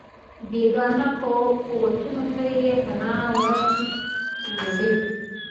بېګانه قوتونو ته یې پناه وړې.